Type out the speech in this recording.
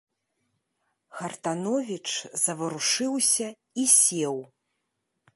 Хартановіч заварушыўся і сеў.